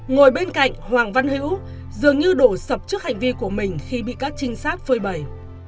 ngồi bên cạnh hoàng văn hữu dường như đổ sập trước hành vi của mình khi bị các trinh sát phơi bầy